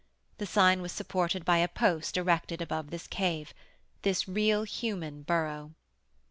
The sign was supported by a post erected above this cave, this real human burrow.